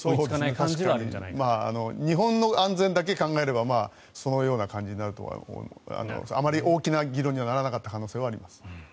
確かに日本の安全だけ考えればそのようになるかとあまり大きな議論にはならなかった可能性があります。